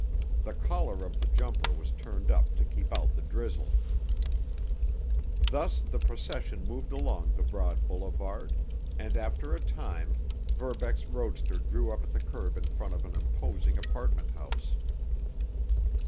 The collar of the jumper was turned up to keep out the drizzle. Thus the procession moved along the broad boulevard, and, after a time, Verbeck's roadster drew up at the curb in front of an imposing apartment house.